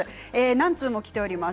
何通もきております。